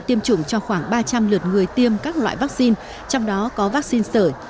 tiêm chủng cho khoảng ba trăm linh lượt người tiêm các loại vaccine trong đó có vaccine sởi